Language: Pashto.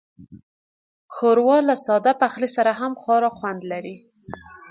ښوروا له ساده پخلي سره هم خورا خوند لري.